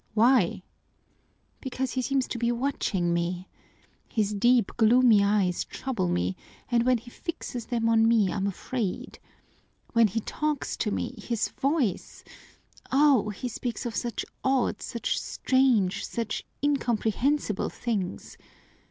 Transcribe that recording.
"Why?" "Because he seems to be watching me. His deep, gloomy eyes trouble me, and when he fixes them on me I'm afraid. When he talks to me, his voice oh, he speaks of such odd, such strange, such incomprehensible things!